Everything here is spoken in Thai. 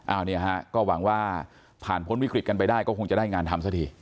อันนี้ฮะก็หวังว่าผ่านพ้นวิกฤตกันไปได้ก็คงจะได้งานทำซะที